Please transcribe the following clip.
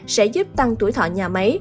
sẽ giúp tăng tuổi thọ nhà máy